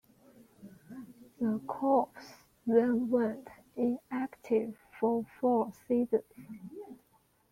The corps then went inactive for four seasons.